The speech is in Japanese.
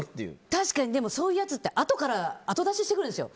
確かに、でもそういうやつって後出ししてくるんですよ。